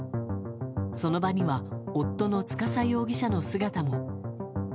その場には、夫の司容疑者の姿も。